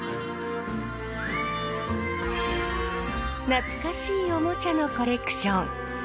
懐かしいおもちゃのコレクション。